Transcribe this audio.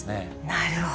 なるほど。